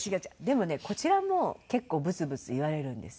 でもねこちらも結構ブツブツ言われるんですよ。